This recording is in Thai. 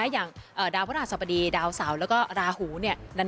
อย่างดาวพระรหัสสมดีดาวเสาแล้วก็ราหูเนี่ย